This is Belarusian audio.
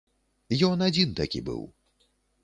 Ён адзін такі быў.